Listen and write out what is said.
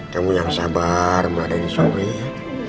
kamu sabar meladani sobri ya